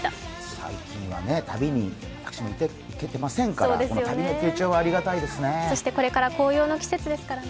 最近は旅に私も行けてませんから、「旅の手帖」はありがたいですね。